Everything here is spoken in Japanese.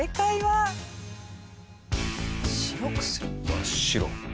真っ白。